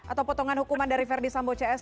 atau potongan hukuman dari verdi sambo cs